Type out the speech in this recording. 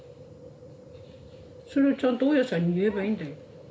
それをちゃんと大家さんに言えばいいんだよ。